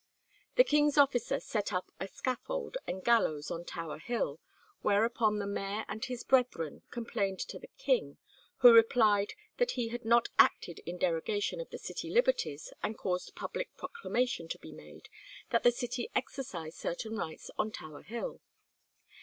The king's officer set up a scaffold and gallows on Tower Hill, whereupon the mayor and his brethren complained to the king, who replied, that he had not acted in derogation of the city liberties, and caused public proclamation to be made that the city exercised certain rights on Tower Hill.